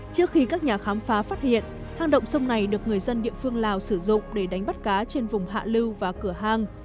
trước khi các nhà khám phá phát hiện hang động sông này được người dân địa phương lào sử dụng để đánh bắt cá trên vùng hạ lưu và cửa hàng